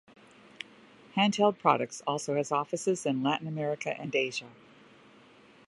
Hand Held Products also has offices in Latin America and Asia.